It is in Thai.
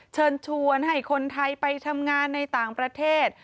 เชิญชวนให้คนไทยไปทำงานในต่างประเทศ